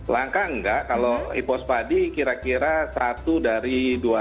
langka enggak kalau hipospadia kira kira satu dari